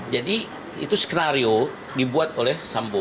jadi itu skenario dibuat oleh sambo